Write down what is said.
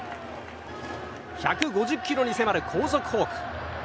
１５０キロに迫る高速フォーク。